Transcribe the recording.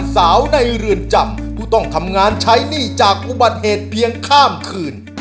สาวในเรือนจำผู้ต้องทำงานใช้หนี้จากอุบัติเหตุเพียงข้ามคืน